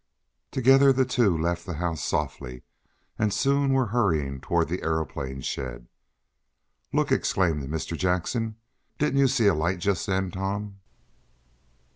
Together the two left the house softly, and soon were hurrying toward the aeroplane shed. "Look!" exclaimed Mr. Jackson. "Didn't you see a light just then, Tom?"